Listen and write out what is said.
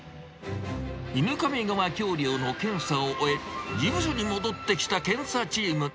犬上川橋りょうの検査を終え、事務所に戻ってきた検査チーム。